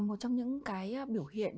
một trong những cái biểu hiện